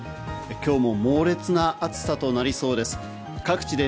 今日も猛烈な暑さとなりそうです。